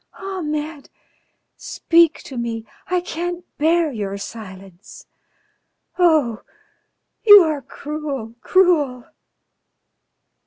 Ahmed! Speak to me! I can't bear your silence.... Oh! You are cruel, cruel!"